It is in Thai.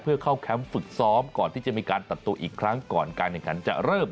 เพื่อเข้าแคมป์ฝึกซ้อมก่อนที่จะมีการตัดตัวอีกครั้งก่อนการแข่งขันจะเริ่ม